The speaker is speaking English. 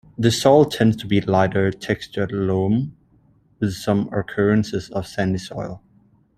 The soil tends to be lighter-textured loam, with some occurrences of sandy soil.